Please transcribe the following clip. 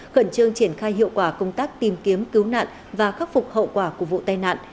khẩn trương triển khai hiệu quả công tác tìm kiếm cứu nạn và khắc phục hậu quả của vụ tai nạn